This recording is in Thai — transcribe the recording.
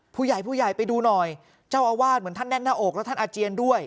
ผู้ใหญ่ผู้ใหญ่ไปดูหน่อยเจ้าอาวาสเหมือนท่านแน่นหน้าอกแล้วท่านอาเจียนด้วย